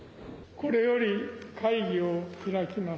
これより会議を開きます。